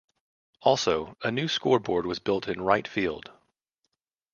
Also, a new scoreboard was built in right field.